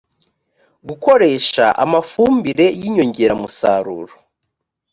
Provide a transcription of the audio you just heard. gukoresha amafumbire n’inyongeramusaruro